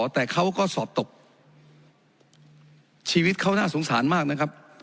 แต่เขาก็สอบตกชีวิตเขาน่าสงสารมากนะครับ